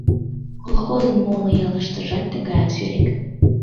Колхозын моло ялыштыжат тыгаяк сӱрет.